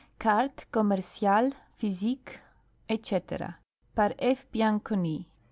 Cartes commerciales, physiques, etc. Par F. Bianconi.